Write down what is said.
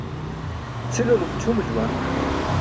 Cʰilulum ćʰumo juwan.